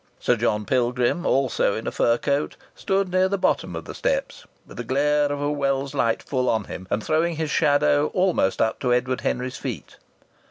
Sir John Pilgrim, also in a fur coat, stood near the bottom of the steps, with the glare of a Wells light full on him and throwing his shadow almost up to Edward Henry's feet.